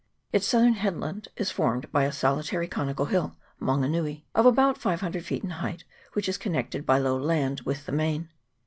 Its southern headland is formed by a solitary conical hill, Maunga nui, of about five hundred feet in height, which is connected by low land with the main.